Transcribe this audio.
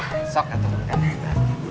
besok ketemu kan